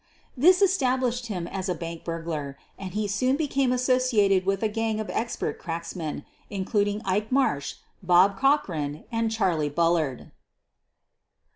This established him as a bank burglar, and he soon became associated with a gang of expert cracksmen, including Ike Marsh, Bob Cochran, and Charley Bullard.